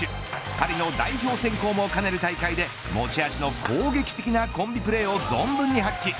パリの代表選考も兼ねる大会で持ち味の攻撃的なコンビプレーを存分に発揮。